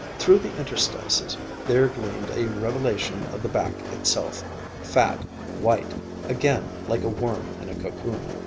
Through the interstices there gleamed a revelation of the back itself, fat, white, again like a worm in a cocoon.